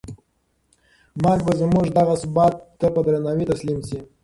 مرګ به زموږ دغه ثبات ته په درناوي تسلیم شي.